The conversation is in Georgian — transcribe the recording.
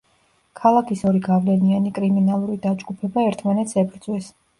ქალაქის ორი გავლენიანი კრიმინალური დაჯგუფება ერთმანეთს ებრძვის.